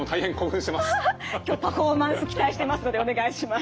今日パフォーマンス期待してますのでお願いします。